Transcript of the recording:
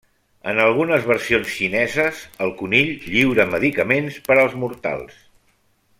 En algunes versions xineses, el conill lliura medicaments per als mortals.